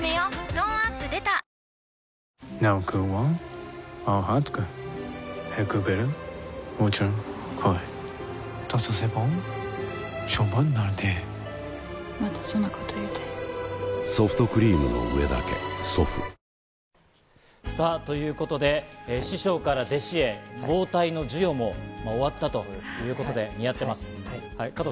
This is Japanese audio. トーンアップ出たさぁ、ということで師匠から弟子へ、ボウタイの授与も終わったということで、やってます。